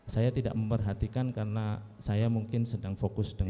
saya tidak memperhatikan karena saya mungkin sedang fokus dengan